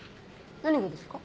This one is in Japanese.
何がですか？